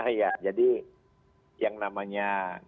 iya jadi yang namanya